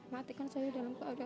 matikan saya dalam keadaan syurga